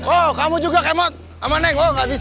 oh kamu juga kemot sama neng oh enggak bisa